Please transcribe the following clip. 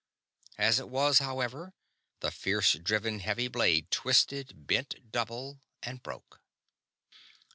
As it was, however, the fierce driven heavy blade twisted, bent double, and broke.